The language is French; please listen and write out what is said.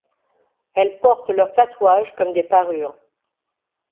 Elles portent leurs tatouages comme des parures.